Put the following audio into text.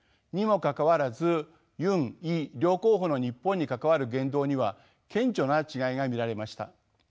にもかかわらずユンイ両候補の日本に関わる言動には顕著な違いが見られました。